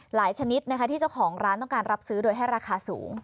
ชนิดนะคะที่เจ้าของร้านต้องการรับซื้อโดยให้ราคาสูง